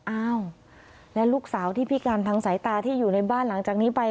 อ้าวและลูกสาวที่พิการทางสายตาที่อยู่ในบ้านหลังจากนี้ไป